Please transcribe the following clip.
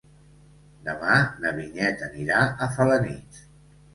Demà na Vinyet anirà a Felanitx.